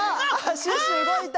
シュッシュうごいた！